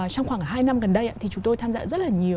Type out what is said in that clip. trong khoảng hai năm gần đây thì chúng tôi tham gia rất là nhiều